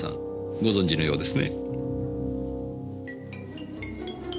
ご存じのようですね。